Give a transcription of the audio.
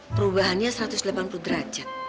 perubahannya satu ratus delapan puluh derajat